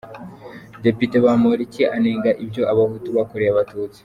Depite Bamporiki anenga ibyo Abahutu bakoreye Abatusi.